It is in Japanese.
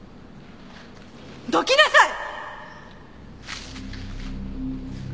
どきなさい！